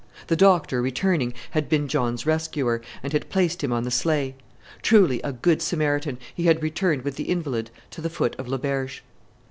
The doctor, returning, had been John's rescuer, and had placed him on the sleigh. Truly a good Samaritan, he had returned with the invalid to the foot of Le Berge.